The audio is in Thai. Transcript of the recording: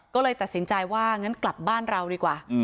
ก็เลยตัดสินใจว่างั้นกลับบ้านเราดีกว่า